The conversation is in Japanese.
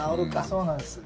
そうなんです。